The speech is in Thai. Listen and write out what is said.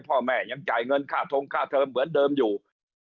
พ่อแม่ยังจ่ายเงินค่าทงค่าเทอมเหมือนเดิมอยู่